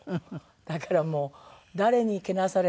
だからもう誰にけなされても平気今。